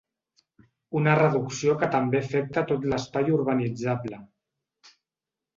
Una reducció que també afecta tot l’espai urbanitzable.